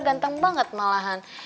ganteng banget malahan